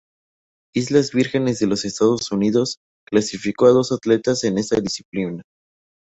Islas Vírgenes de los Estados Unidos clasificó a dos atletas en esta disciplina.